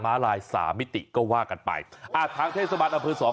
้าลายสามมิติก็ว่ากันไปอ่าทางเทศบาลอำเภอสอง